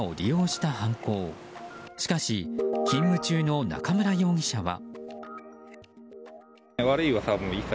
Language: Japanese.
しかし勤務中の中村容疑者は。